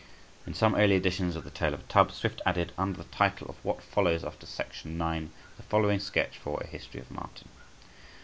[In some early editions of "The Tale of a Tub," Swift added, under the title of "What Follows after Section IX.," the following sketch for a "History of Martin."